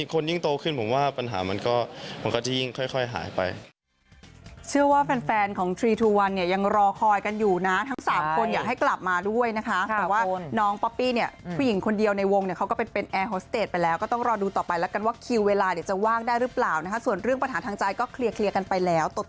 คนยิ่งโตขึ้นผมว่าปัญหามันก็จะยิ่งค่อยหายไป